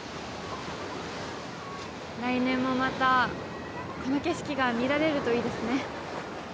来年もまたこの景色が見られるといいですね